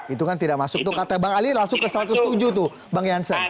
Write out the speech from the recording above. itu kan tidak masuk tuh kata bang ali langsung ke satu ratus tujuh tuh bang jansen